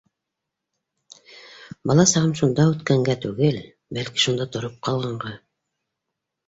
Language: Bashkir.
Бала сағым шунда үткәнгә түгел, бәлки шунда тороп ҡалғанға.